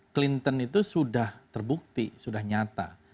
clinton itu sudah terbukti sudah nyata